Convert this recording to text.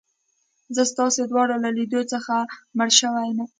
زه ستاسي دواړو له لیدو څخه مړه شوې یم.